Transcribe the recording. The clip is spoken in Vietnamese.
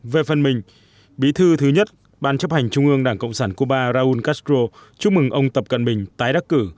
về phần mình bí thư thứ nhất ban chấp hành trung ương đảng cộng sản cuba raúl castro chúc mừng ông tập cận bình tái đắc cử